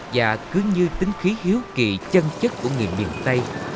và cứ như tính khí hiếu kỳ chân chất của người miền tây